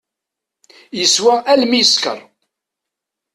Yeswa almi yesker.